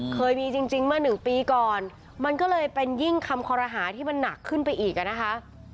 เคยมีจริงเมื่อหนึ่งปีก่อนมันก็เลยเป็นยิ่งคำคอรหาที่มันหนักขึ้นไปอีกอ่ะนะคะ